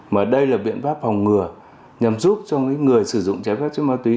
mà đây là biện pháp phòng ngừa nhằm giúp cho người sử dụng trái phép chất ma túy